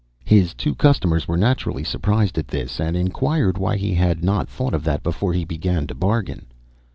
His two customers were naturally surprised at this, and inquired why he had not thought of that before he began to bargain.